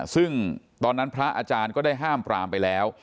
ซึ่งตอนนั้นพระอาจารย์ก็ได้ห้ามปรามไปแล้ว